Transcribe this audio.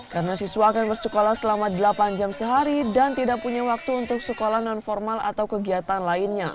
karena siswa akan bersekolah selama delapan jam sehari dan tidak punya waktu untuk sekolah non formal atau kegiatan lainnya